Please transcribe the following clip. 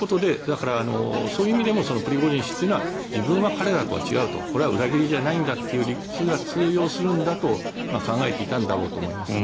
そういう意味でもプリゴジン氏というのは自分は彼らとは違うこれは裏切りじゃないという理屈が通用するんだと考えていたんだろうと思います。